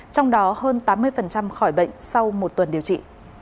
trong đó hơn tám mươi khỏi bệnh sau một tuần điều trị